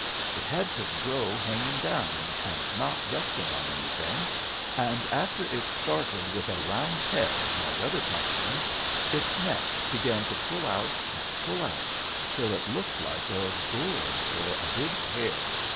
It had to grow hanging down, and not resting on anything, and after it started with a round head, like other pumpkins, its neck began to pull out, and pull out, till it looked like a gourd or a big pear.